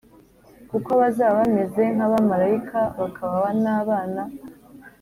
kuko bazaba bameze nk abamarayika bakaba n abana